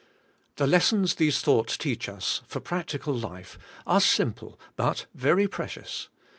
The lessons these thoughts teach us for practical life are simple, but very precious.